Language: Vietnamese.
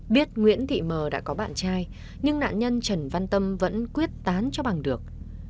biết nguyễn thị mờ đã có bạn trai nhưng nạn nhân trần văn tâm vẫn quyết tán cho bằng được